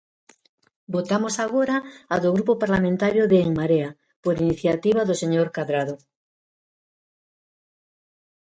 Votamos agora a do Grupo Parlamentario de En Marea, por iniciativa do señor Cadrado.